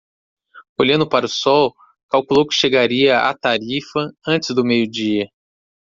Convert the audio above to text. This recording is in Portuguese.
Olhando para o sol, calculou que chegaria a Tarifa antes do meio-dia.